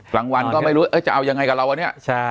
กลางวันก็ไม่รู้จะเอายังไงกับเราวันนี้